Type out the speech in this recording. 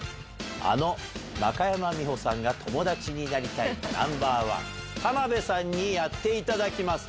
あの、中山美穂さんが友達になりたいナンバー１、田辺さんにやっていただきます。